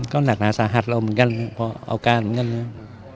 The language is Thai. ก็หนักหนาสาหัสเราเหมือนกันพอเอาการเหมือนกันนะ